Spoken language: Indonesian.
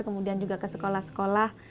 kemudian juga ke sekolah sekolah